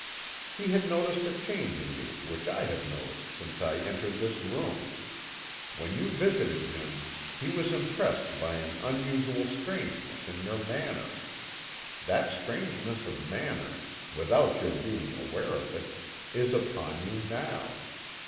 He had noticed a change in you which I have noticed since I entered this room. When you visited him he was impressed by an unusual strangeness in your manner. That strangeness of manner, without your being aware of it, is upon you now.